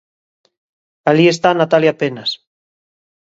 Alí está Natalia Penas.